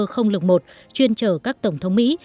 không lực một chuyên trở các tổng thống mỹ